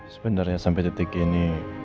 sebenarnya sampai detik ini